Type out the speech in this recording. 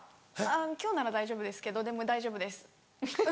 今日なら大丈夫ですけどでも大丈夫です。